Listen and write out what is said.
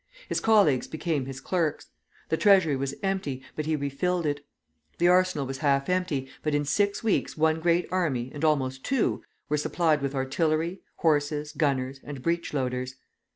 His colleagues became his clerks. The treasury was empty, but he re filled it. The arsenal was half empty, but in six weeks one great army, and almost two, were supplied with artillery, horses, gunners, and breech loaders.